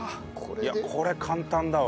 これ簡単だわ。